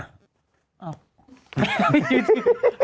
อ้าว